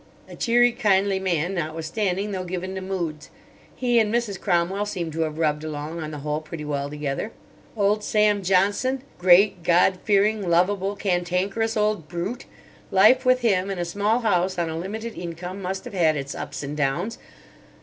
A cheery, kindly man, notwithstanding, though given to moods. He and Mrs. Cromwell seem to have rubbed along, on the whole, pretty well together. Old Sam Johnson—great, God fearing, lovable, cantankerous old brute! Life with him, in a small house on a limited income, must have had its ups and downs.